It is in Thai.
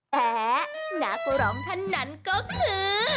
แต่นักร้องท่านนั้นก็คือ